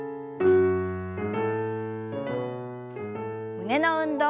胸の運動。